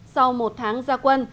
sau một tháng gia quân